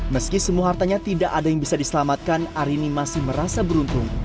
meski semua hartanya tidak ada yang bisa diselamatkan